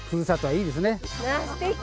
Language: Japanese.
すてき。